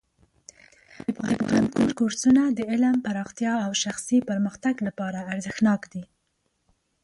د پوهنتون کورسونه د علم پراختیا او شخصي پرمختګ لپاره ارزښتناک دي.